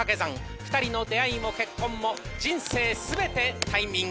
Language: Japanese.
２人の出会いも結婚も人生全てタイミング。